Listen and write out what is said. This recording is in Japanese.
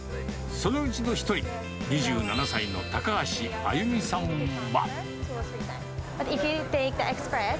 そのうちの１人、２７歳の高橋歩実さんは。